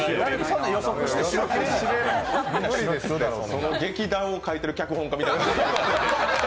その劇団を書いている脚本家みたい。